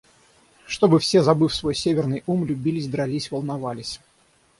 Чтоб все, забыв свой северный ум, любились, дрались, волновались.